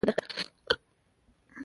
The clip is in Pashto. د افغانستان ابادي د ټولو دنده ده